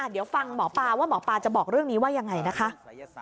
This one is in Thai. เดี๋ยวฟังหมอปลาว่าหมอปลาจะบอกเรื่องนี้ว่ายังไงนะคะ